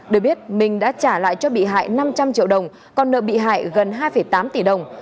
được biết minh đã trả lại cho bị hại năm trăm linh triệu đồng còn nợ bị hại gần hai tám tỷ đồng